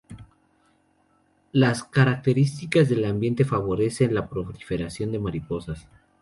Las características del ambiente favorecen la proliferación de mariposas.